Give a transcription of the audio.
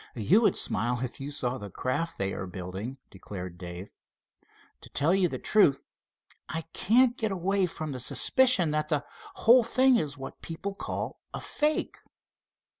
"You would smile if you saw the craft they are building," declared Dave. "To tell you the truth, I can't get away from the suspicion that the whole thing is what people call a fake."